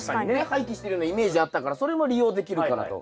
廃棄してるようなイメージあったからそれも利用できるかなと。